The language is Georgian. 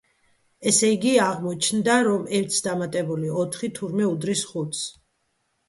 ესე იგი, აღმოჩნდა, რომ ერთს დამატებული ოთხი, თურმე უდრის ხუთს.